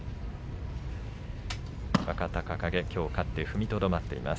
若隆景はきょう勝って踏みとどまっています。